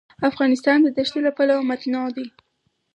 افغانستان د دښتې له پلوه متنوع دی.